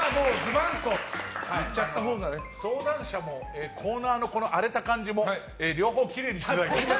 相談者もコーナーの荒れた感じも両方きれいにしていただきました。